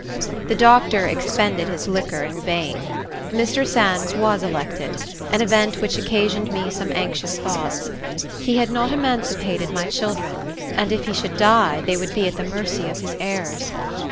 The doctor expended his liquor in vain. Mr. Sands was elected; an event which occasioned me some anxious thoughts. He had not emancipated my children, and if he should die they would be at the mercy of his heirs.